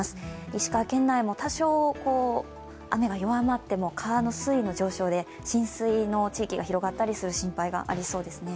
石川県内も多少雨が弱まっても川の水位の状況で浸水の地域が広がったりする心配がありそうですね。